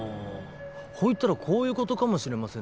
ほいたらこういうことかもしれません